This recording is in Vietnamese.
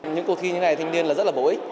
những cuộc thi như này thanh niên rất vỗi